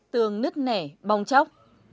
tường nứt nẻ bong chóc